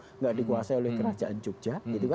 tidak dikuasai oleh kerajaan jogja